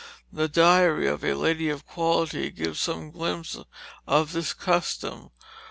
The Diary of a Lady of Quality gives some glimpses of this custom.